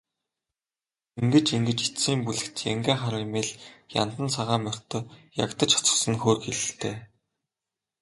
Ингэж ингэж эцсийн бүлэгт янгиа хар эмээл, яндан цагаан морьтой ягдаж хоцорсон нь хөөрхийлөлтэй.